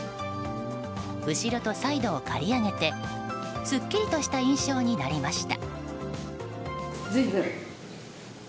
後ろとサイドを刈り上げてすっきりとした印象になりました。